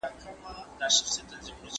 ډاکټر هغه دئ چي پر ورغلي وي.